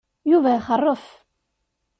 Yuba ixeṛṛef.